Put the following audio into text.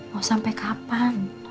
mau sampai kapan